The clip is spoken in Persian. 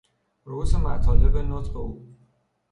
رئوس مطالب نطق او